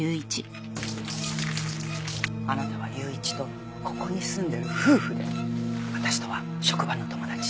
あなたは雄一とここに住んでる夫婦で私とは職場の友達。